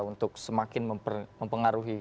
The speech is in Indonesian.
untuk semakin mempengaruhi